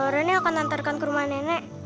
reni akan antarkan ke rumah nenek